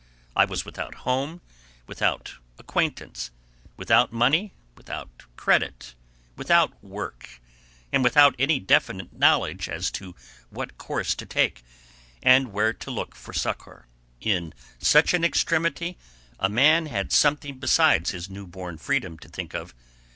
I was without home, without acquaintance, without money, without credit, without work, and without any definite knowledge as to what course to take, or where to look for succor. In such an extremity, a man had something besides his new born freedom to think of.